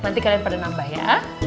nanti kalian pernah nambah ya